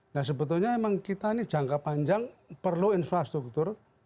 nah sebetulnya memang kita ini jangka panjang perlu infrastruktur